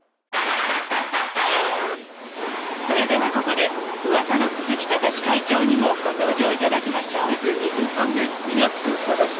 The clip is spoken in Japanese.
それではここでうわさの鈴木喬会長にもご登場いただきましょう。